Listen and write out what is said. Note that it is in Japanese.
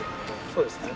そうですね。